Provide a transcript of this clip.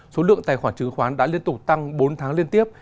số lượng tài khoản chứng khoán đã liên tục tăng bốn tháng liên tiếp